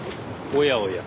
おやおや。